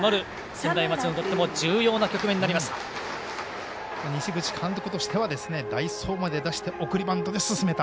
専大松戸にとっても重要な局面になりました。